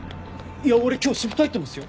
いや俺今日シフト入ってますよ。